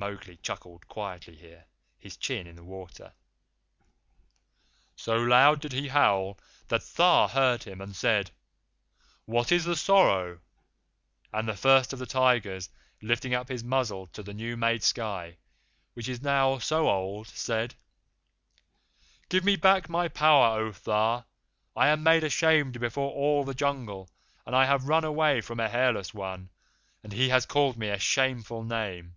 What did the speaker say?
Mowgli chuckled quietly here, his chin in the water. "So loud did he howl that Tha heard him and said, 'What is the sorrow?' And the First of the Tigers, lifting up his muzzle to the new made sky, which is now so old, said: 'Give me back my power, O Tha. I am made ashamed before all the Jungle, and I have run away from a Hairless One, and he has called me a shameful name.